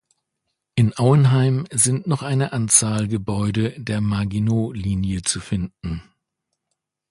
In Auenheim sind noch eine Anzahl Gebäude der Maginot-Linie zu finden.